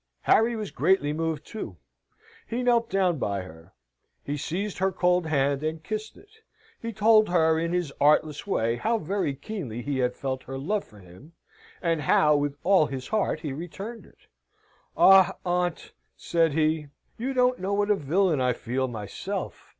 Harry was greatly moved, too. He knelt down by her. He seized her cold hand, and kissed it. He told her, in his artless way, how very keenly he had felt her love for him, and how, with all his heart, he returned it. "Ah, aunt!" said he, "you don't know what a villain I feel myself.